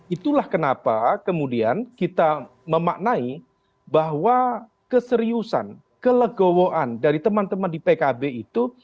itulah kenapa kemudian kita memaknai bahwa keseriusan kelegowoan dari teman teman di pkb itu